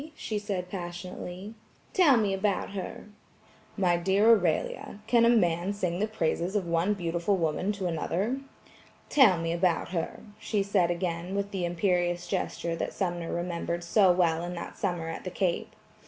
she said passionately. "Tell me about her." "My dear Aurelia, can a man sing the praises of one beautiful woman to another?" "Tell me about her," she said again with the imperious gesture that Sumner remembered so well in that summer at the Cape.